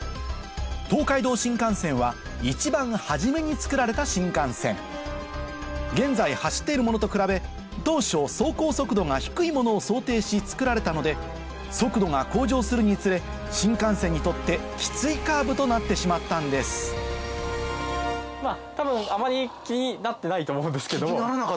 東海道新幹線は一番初めに造られた新幹線現在走っているものと比べ当初走行速度が低いものを想定し造られたので速度が向上するにつれ新幹線にとってきついカーブとなってしまったんです多分あまり気になってないと思うんですけど。